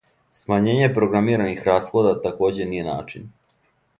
Смањење програмираних расхода такође није начин.